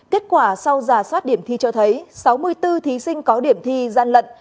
kết quả sau giả soát điểm thi cho thấy sáu mươi bốn thí sinh có điểm thi gian lận